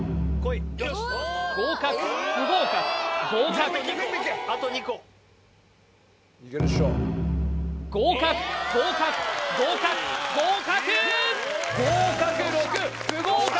合格不合格合格合格合格合格合格合格６不合格